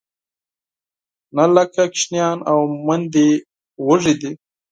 نهه لاکه ماشومان او میندې وږې دي.